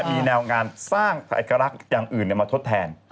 มีแนวงานสร้างเอกลักษณ์อย่างอื่นมาทดแทน